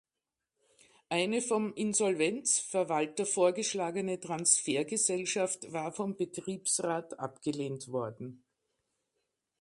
Eine vom Insolvenzverwalter vorgeschlagene Transfergesellschaft war vom Betriebsrat abgelehnt worden.